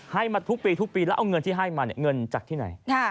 ให้มาทุกปีทุกปีแล้วเอาเงินที่ให้มาเนี่ยเงินจากที่ไหน